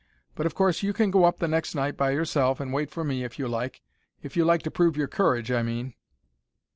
But, of course, you can go up the next night by yourself, and wait for me, if you like. If you like to prove your courage, I mean."